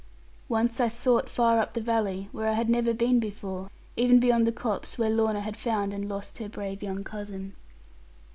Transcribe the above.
Once I sought far up the valley, where I had never been before, even beyond the copse where Lorna had found and lost her brave young cousin.